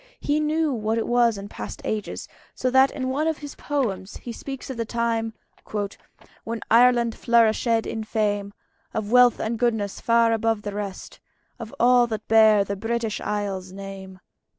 He knew what it was in past ages; so that in one of his poems he speaks of the time "When Ireland flourishèd in fame Of wealth and goodnesse, far above the rest Of all that beare the British Islands name."